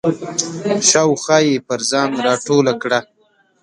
شاوخوا یې پر ځان راټوله کړه.